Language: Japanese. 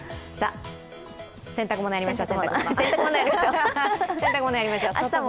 洗濯物やりましょう。